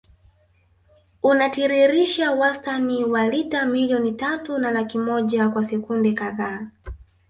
Unatiririsha wastani wa lita milioni tatu na laki moja kwa sekunde kadhaa